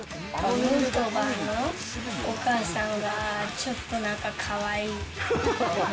ヌートバーのお母さんがちょっとなんかかわいい。